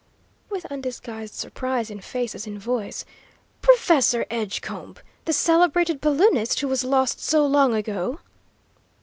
with undisguised surprise in face as in voice. "Professor Edgecombe, the celebrated balloonist who was lost so long ago?"